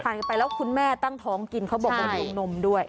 พันไปแล้วคุณแม่ตั้งท้องกินเค้าบอกบอกต้องด้วย